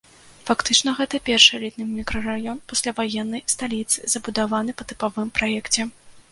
Фактычна, гэта першы элітны мікрараён пасляваеннай сталіцы, забудаваны па тыпавым праекце.